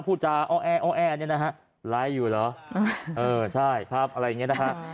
พูดจาอ้อแอ้อแอเนี่ยนะฮะไลค์อยู่เหรอเออใช่ครับอะไรอย่างเงี้นะฮะ